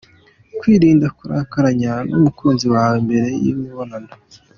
Kwirinda kurakaranya n’umukunzi wawe mbere y’ imibonano.